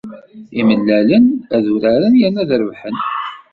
Imellalen ad uraren yerna ad rebḥen.